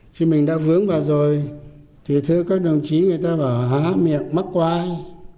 chứ mình đã vướng vào rồi thì thưa các đồng chí người ta bảo há miệng mắc quai